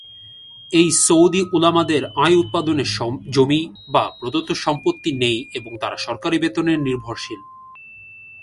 এই সৌদি উলামাদের আয়-উৎপাদনের জমি বা প্রদত্ত সম্পত্তি নেই এবং তারা সরকারী বেতনের নির্ভরশীল।